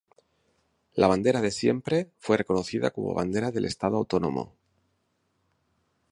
La bandera de siempre fue reconocida como bandera del estado autónomo.